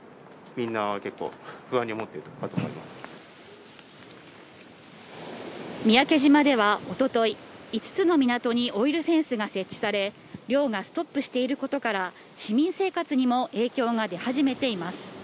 みんな結構、不安に思ってるかと三宅島ではおととい、５つの港にオイルフェンスが設置され、漁がストップしていることから、市民生活にも影響が出始めています。